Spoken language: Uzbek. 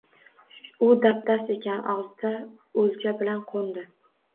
U chapdast ekan – og’zida o’lja bilan qo’ndi.